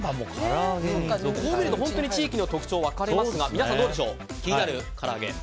こう見ると本当に地域の特徴が分かれますが、皆さん気になるから揚げは。